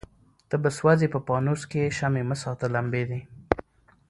ته به سوځې په پانوس کي شمعي مه ساته لمبې دي